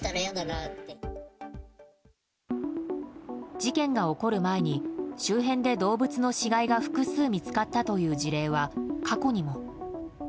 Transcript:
事件が起こる前に周辺で動物の死骸が複数見つかったという事例は過去にも。